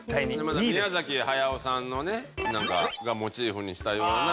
宮崎駿さんのねなんかモチーフにしたような。